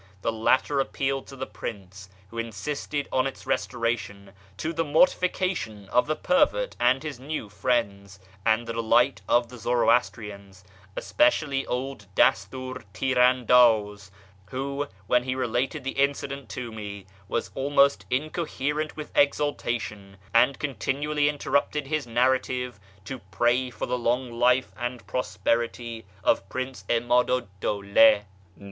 The latter appealed to the Prince, who insisted on its restora tion, to the mortification of the pervert and his new friends, and the delight of the Zoroastrians, especially old Dastur Tir andaz, who, when he related the incident to me, was almost incoherent with exultation, and continually interrupted his narrative to pray for the long life and prosperity of Prince 'Imadu 'd Dawla.